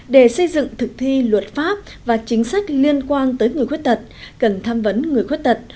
để xây dựng thực thi luật pháp và chính sách liên quan tới người khuyết tật cần tham vấn người khuyết tật